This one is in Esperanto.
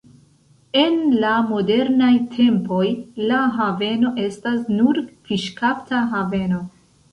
En la modernaj tempoj la haveno estas nur fiŝkapta haveno.